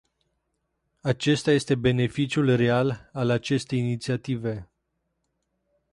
Acesta este beneficiul real al acestei inițiative.